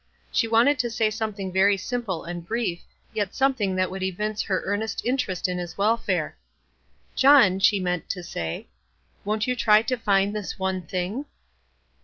She wanted to say some thing very simple and brief, } r et something that w T ould evince her earnest interest in his welfare. " John," she meant to say, "won't you try to find this ' One thing?'"